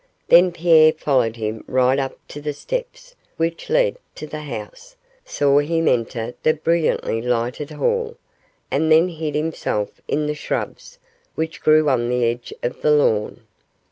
Then Pierre followed him right up to the steps which led to the house, saw him enter the brilliantly lighted hall, and then hid himself in the shrubs which grew on the edge of the lawn.